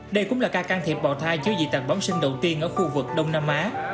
đây cũng là ca can thiệp bào thai chứa dị tạc bóng sinh đầu tiên ở khu vực đông nam á